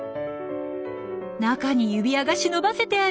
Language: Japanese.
中に指輪が忍ばせてある！